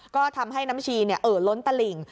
ก็ทำให้น้ำชีเอ่อล้นตลิ่ง